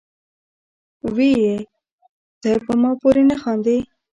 وې ئې " تۀ پۀ ما پورې نۀ خاندې،